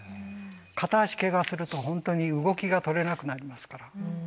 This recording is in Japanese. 片足けがすると本当に動きがとれなくなりますから。